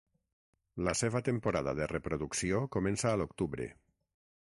La seva temporada de reproducció comença a l'octubre.